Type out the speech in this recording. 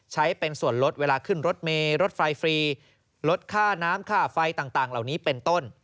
ใช้เป็นส่วนลดเวลาขึ้นรถเมย์รถไฟฟรีลดค่าน้ำค่าไฟต่างเหล่านี้เป็นต้น